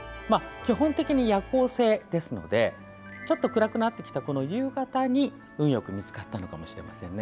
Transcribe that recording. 基本的に夜行性ですので暗くなってきた夕方に運よく見つかったのかもしれませんね。